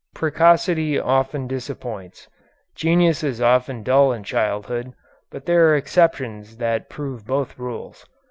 Precocity often disappoints. Genius is often dull in childhood, but there are exceptions that prove both rules.